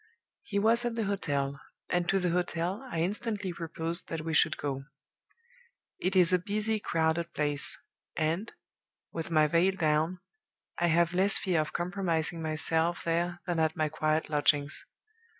"He was at the hotel; and to the hotel I instantly proposed that we should go. It is a busy, crowded place; and (with my veil down) I have less fear of compromising myself there than at my quiet lodgings.